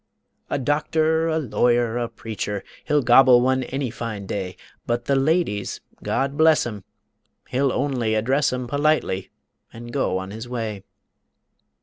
A doctor, a lawyer, a preacher, He'll gobble one any fine day, But the ladies, God bless 'em, he'll only address 'em Politely and go on his way.